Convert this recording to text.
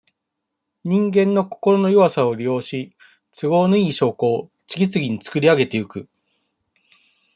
人間の心の弱さを利用し、都合のいい証拠を、次々につくりあげてゆく。